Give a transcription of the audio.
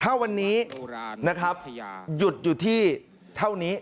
ถ้าวันนี้นะครับหยุดอยู่ที่เท่านี้